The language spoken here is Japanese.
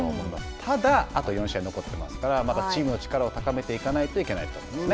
ただあと４試合残っていますからまだチームの力を高めていかないといけないですね。